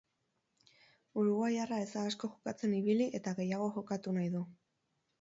Uruguaiarra ez da asko jokatzen ibili eta gehiago jokatu nahi du.